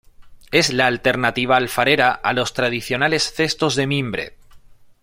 Es la alternativa alfarera a los tradicionales cestos de mimbre.